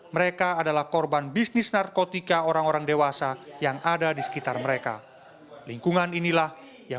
mereka adalah korban bisnis narkotika orang orang dewasa yang ada di dalamnya